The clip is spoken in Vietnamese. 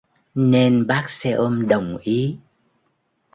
nên bác xe ôm đồng ý